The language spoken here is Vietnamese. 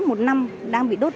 một năm đang bị đốt